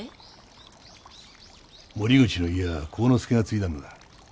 森口の家は晃之助が継いだのだ。